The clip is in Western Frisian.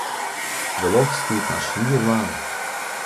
De loft stiet nei swier waar.